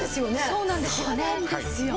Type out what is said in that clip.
そうなんですよ。